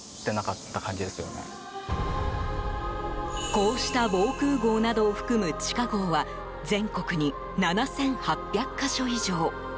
こうした防空壕などを含む地下壕は全国に７８００か所以上。